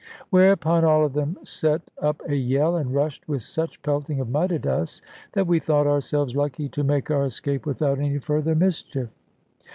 Whereupon all of them set up a yell, and rushed with such pelting of mud at us, that we thought ourselves lucky to make our escape without any further mischief.